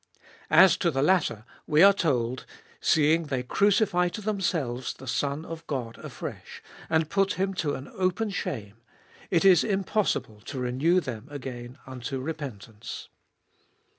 As to the latter, we are told : Seeing they crucify to themselves the Son of God afresh, and put Him to an open shame: it is impossible to renew them again unto repentance.